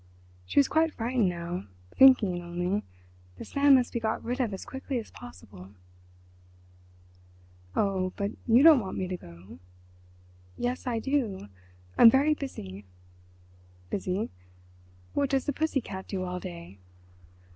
She was quite frightened now—thinking only: "This man must be got rid of as quickly as possible." "Oh, but you don't want me to go?" "Yes, I do—I'm very busy." "Busy. What does the pussy cat do all day?"